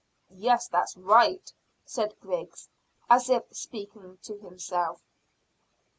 "Yes, that's right," said Griggs, as if speaking to himself.